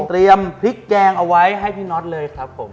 เตรียมพริกแจงเอาไว้ให้พี่นอทเลยครับผม